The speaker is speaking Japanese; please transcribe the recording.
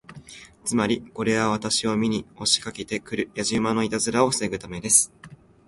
つまり、これは私を見に押しかけて来るやじ馬のいたずらを防ぐためです。